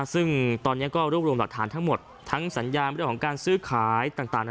ซึ่งตอนนี้ก็รวบรวมหลักฐานทั้งหมดทั้งสัญญาณเรื่องของการซื้อขายต่าง